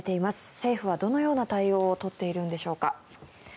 政府はどのような対応を取っているんでしょうか。